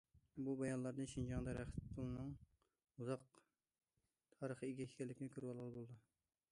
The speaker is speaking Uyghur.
بۇ بايانلاردىن شىنجاڭدا رەخت پۇلنىڭ ئۇزاق تارىخقا ئىگە ئىكەنلىكىنى كۆرۈۋالغىلى بولىدۇ.